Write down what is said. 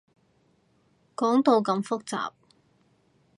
講到咁複雜